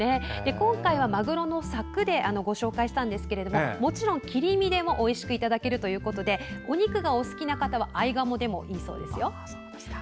今回は、マグロのサクでご紹介したんですがもちろん切り身でもおいしくいただけるということでお肉がお好きな方は合鴨でもいいそうですよ。